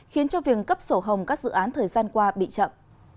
khiến cho việc cấp sổ hồng các dự án thời gian qua bị chậm